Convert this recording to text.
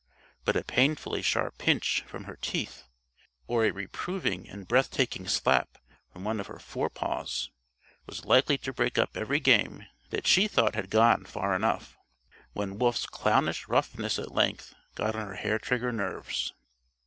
But a painfully sharp pinch from her teeth or a reproving and breath taking slap from one of her forepaws was likely to break up every game that she thought had gone far enough; when Wolf's clownish roughness at length got on her hair trigger nerves.